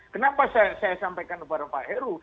kenapa saya sampaikan kepada pak heru